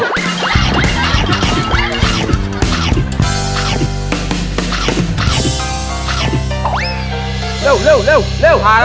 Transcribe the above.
เร็ว